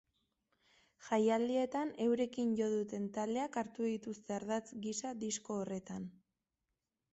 Jaialdietan eurekin jo duten taldeak hartu dituzte ardatz gisa disko horretan.